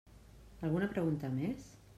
Alguna pregunta més?